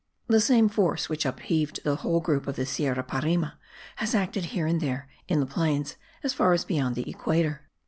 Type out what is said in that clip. The same force which upheaved the whole group of the Sierra Parime has acted here and there in the plains as far as beyond the equator.